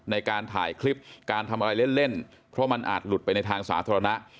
ในการถ่ายคลิปการทำอะไรเล่นเพราะมันอาจหลุดไปในทางสาธารณะ